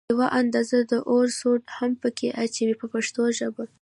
یوه اندازه د اوړو سوډا هم په کې اچوي په پښتو ژبه.